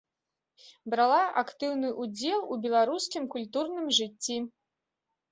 Брала актыўны ўдзел у беларускім культурным жыцці.